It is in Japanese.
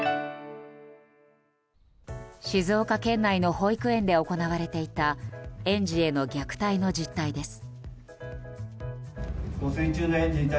静岡県内の保育園で行われていた園児への虐待の実態です。